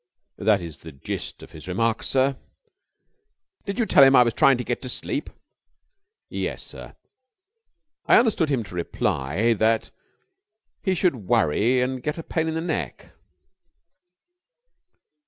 "That is the gist of his remarks, sir." "Did you tell him I was trying to get to sleep?" "Yes, sir. I understood him to reply that he should worry and get a pain in the neck."